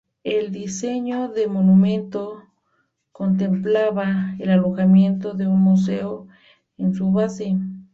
El diseño del monumento contemplaba el alojamiento de un museo en su base.